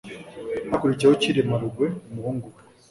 hakurikiyeho Cyilima Rugwe umuhungu we